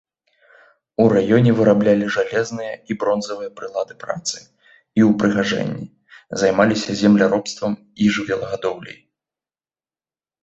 У раёне выраблялі жалезныя і бронзавыя прылады працы і ўпрыгажэнні, займалася земляробствам і жывёлагадоўляй.